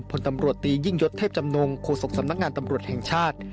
ผลตำรวจตียิ่งยศเทพจำนงโฆษกสำนักงานตำรวจแห่งชาติ